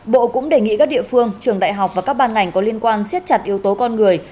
bộ cũng đề nghị các địa phương trường đại học và các ban ngành có liên quan siết chặt yếu tố con người